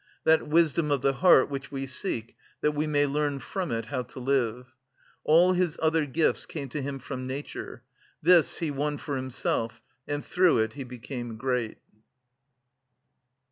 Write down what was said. that wisdom of the heart which we seek that we may learn from it how to live. All his other gifts came to him from nature, this he won for himself and through it he became great."